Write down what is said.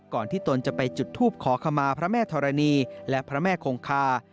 ที่ตนจะไปจุดทูปขอขมาพระแม่ธรณีและพระแม่คงคา